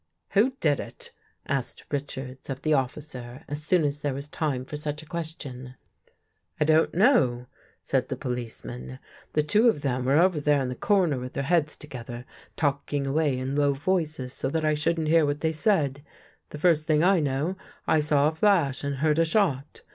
"Who did it?" asked Richards of the officer as soon as there was time for such a question. 126 THE FIRST CONFESSION " I don't know," said the policeman. " The two of them were over there in the corner with their heads together, talking away in low voices so that I shouldn't hear what they said. The first thing I knew, I saw a flash and heard a shot.